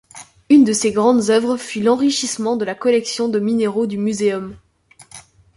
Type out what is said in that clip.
Une de ses grandes œuvres fut l’enrichissement de la collection de minéraux du Muséum.